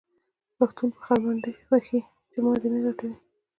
پښتون په خر منډې وهې چې ما دې نه لټوي.